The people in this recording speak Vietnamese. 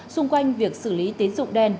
xung quanh việc xử lý tín dụng đen